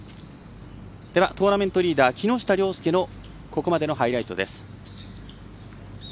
トーナメントリーダー木下稜介のここまでのハイライトです。